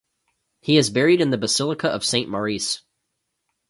He is buried in the Basilica of Saint Maurice.